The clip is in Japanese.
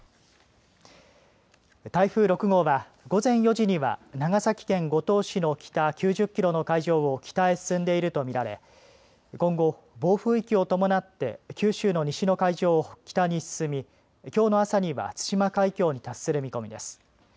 台風６号は、午前４時には長崎県五島市の北９０キロの海上を北へ進んでいると見られ今後、暴風域を伴って九州の西の海上を北に進みきょうの朝には対馬海峡に達する見込みです。